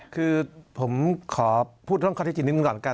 คือผมขอพูดต้องข้อเท็จจริงหนึ่งก่อนกัน